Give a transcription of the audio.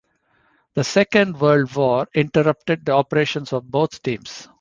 The Second World War interrupted the operations of both teams.